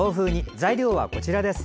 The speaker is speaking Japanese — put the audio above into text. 材料はこちらです。